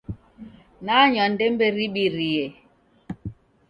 Nanywa ndembe ribirie